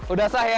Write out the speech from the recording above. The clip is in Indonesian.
udah sah ya